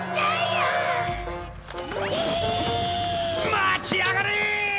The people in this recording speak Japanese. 待ちやがれ！